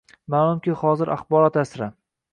Ma’lumki, hozir axborot asri.